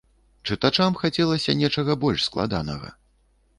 Чытачам хацелася нечага больш складанага.